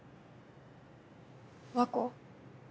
和子？